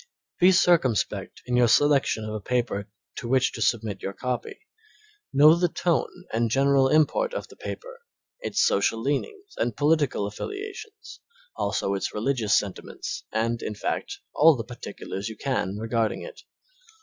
Be circumspect in your selection of a paper to which to submit your copy. Know the tone and general import of the paper, its social leanings and political affiliations, also its religious sentiments, and, in fact, all the particulars you can regarding it.